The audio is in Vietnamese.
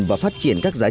và phát triển các giá trị